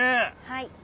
はい。